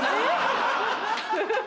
ハハハ！